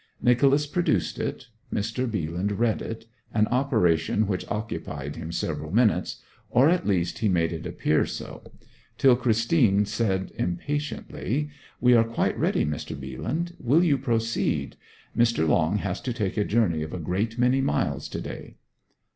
Nicholas produced it, Mr. Bealand read it, an operation which occupied him several minutes or at least he made it appear so; till Christine said impatiently, 'We are quite ready, Mr. Bealand. Will you proceed? Mr. Long has to take a journey of a great many miles to day.'